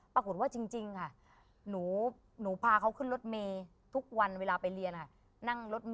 ปรากฏว่าจริงหนูพาเขาขึ้นรถเมย์ทุกวันเวลาไปเรียน